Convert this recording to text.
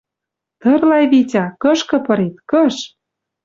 Тырлай, Витя, кышкы пырет, кыш?..